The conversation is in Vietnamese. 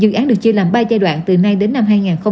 dự án được chia làm ba giai đoạn từ nay đến năm hai nghìn hai mươi